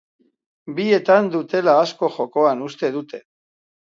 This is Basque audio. Bietan dutela asko jokoan uste dute.